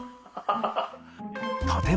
ハハハ